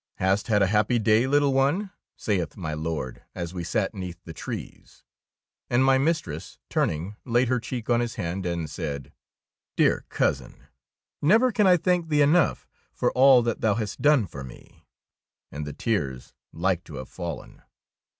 " Hast had a happy day, little oneT^ saith my Lord, as we sat 'neath the trees; and my mistress, turning, laid her cheek on his hand and said, —" Dear Cousin, never can I thank thee enough for all that thou hast done for me^^; and the tears like to have fallen.